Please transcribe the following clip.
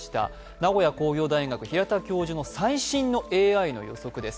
名古屋工業大学平田教授の最新のＡＩの予測です。